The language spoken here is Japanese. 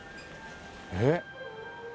えっ？